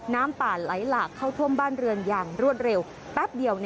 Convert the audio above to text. น้ำป่าไหลหลากเข้าท่วมบ้านเรือนอย่างรวดเร็วแป๊บเดียว